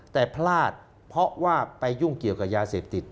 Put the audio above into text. แต่พลาดเพราะว่าไปยุ่งเกี่ยวกับยาเสพติด